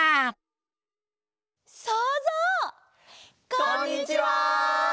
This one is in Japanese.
こんにちは！